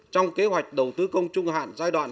trong kế hoạch đầu tư công trung hạn giai đoạn